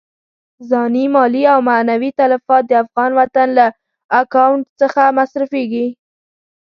ځاني، مالي او معنوي تلفات د افغان وطن له اکاونټ څخه مصرفېږي.